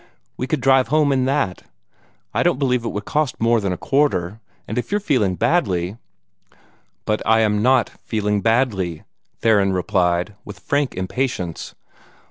"We could drive home in that. I don't believe it would cost more than a quarter and if you're feeling badly " "But I am NOT feeling badly," Theron replied, with frank impatience.